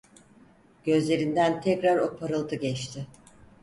Gözlerinden tekrar o parıltı geçti.